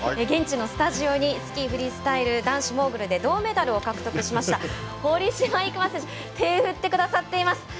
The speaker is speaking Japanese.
現地のスタジオにスキー男子フリースタイル男子モーグルで銅メダルを獲得しました堀島行真選手手を振ってくださっています。